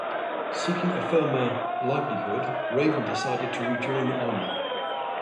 Seeking a firmer livelihood, Raven decided to rejoin the army.